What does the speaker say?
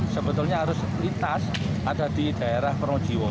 sebetulnya harus litas ada di daerah pronijiwo